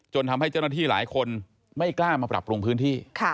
ทำให้เจ้าหน้าที่หลายคนไม่กล้ามาปรับปรุงพื้นที่